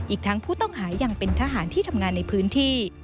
อีกทั้งผู้ต้องหายังเป็นทหารที่ทำงานในพื้นที่